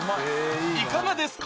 いかがですか？